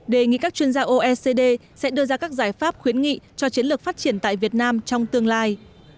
đề nghị các chuyên gia oecd sẽ đưa ra các giải pháp khuyến nghị cho chiến lược phát triển tại việt nam trong tương lai